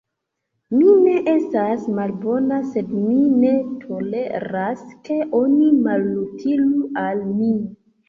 Mi ne estas malbona, sed mi ne toleras, ke oni malutilu al mi.